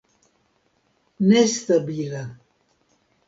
nestabila